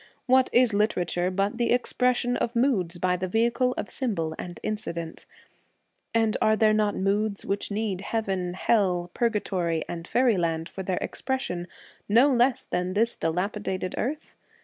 What is literature but the expression of moods by the vehicle 6 of symbol and incident ? And are there A Teller not moods which need heaven, hell, purga tory, and faeryland for their expression, no less than this dilapidated earth